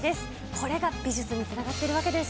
これが美術につながっているわけです。